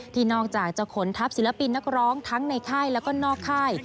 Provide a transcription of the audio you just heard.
ที่นอกจากจะขนทัพศิลปินนักร้องทั้งในค่ายแล้วก็นอกค่าย